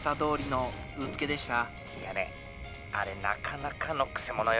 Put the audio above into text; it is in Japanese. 「いやねあれなかなかのくせ者よ」。